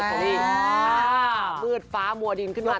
มืดฟ้ามัวดินขึ้นมา